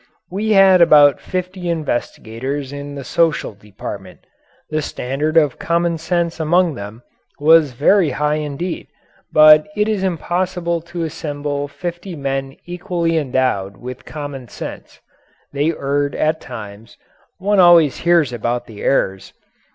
We had about fifty investigators in the Social Department; the standard of common sense among them was very high indeed, but it is impossible to assemble fifty men equally endowed with common sense. They erred at times one always hears about the errors.